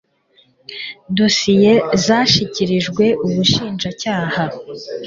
dosiye zashikirijwe ubushinjacyaha